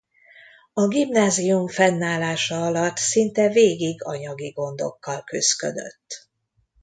A gimnázium fennállása alatt szinte végig anyagi gondokkal küszködött.